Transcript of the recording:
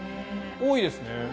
多いですね。